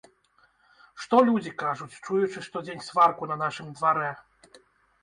Што людзі кажуць, чуючы штодзень сварку на нашым дварэ?